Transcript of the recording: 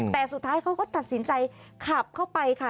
แต่สุดท้ายเขาก็ตัดสินใจขับเข้าไปค่ะ